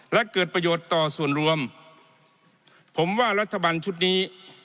และเกิดประโยชน์ต่อส่วนรวมผมว่ารัฐบาลชุดนี้